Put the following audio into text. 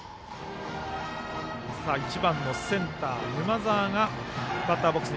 １番センターの沼澤がバッターボックス。